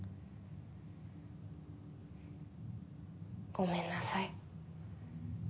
ごめんなさい。